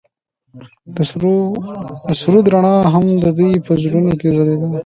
د سرود رڼا هم د دوی په زړونو کې ځلېده.